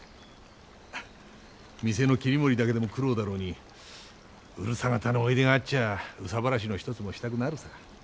店の切り盛りだけでも苦労だろうにうるさ型のおいでがあっちゃ憂さ晴らしの一つもしたくなるさ。